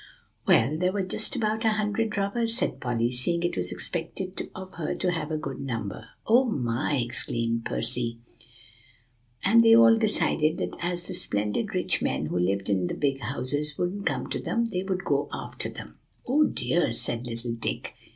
"Well, there were just about a hundred robbers," said Polly, seeing it was expected of her to have a good number. "Oh, my!" exclaimed Percy. "And they all decided that as the splendid rich men, who lived in the big houses, wouldn't come to them, they would go after them." "Oh, dear!" said little Dick.